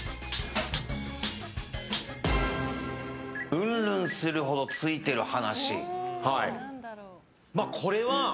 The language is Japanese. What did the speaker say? ルンルンするほどツイている話。